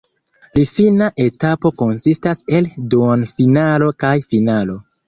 Li fina etapo konsistas el duonfinalo kaj finalo.